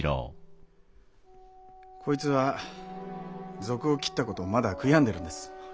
こいつは賊を斬った事をまだ悔やんでるんです。